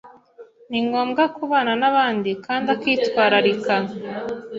ni ngombwa kubana n’abandi kandi akitwararika